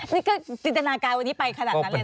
นี่ก็จินตนาการวันนี้ไปขนาดนั้นเลยนะ